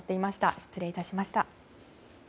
失礼いたしました。